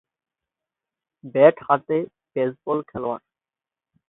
Bat হাতে baseball খেলোয়াড়।